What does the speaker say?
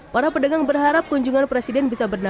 para pendengar berharap kunjungan presiden bisa bernambah